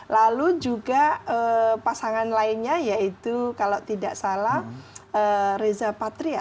lalu juga pasangan lainnya yaitu kalau tidak salah reza patria